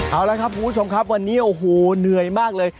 เอาละครับคุณผู้ชมครับวันนี้โอ้โหเหนื่อยมากเลย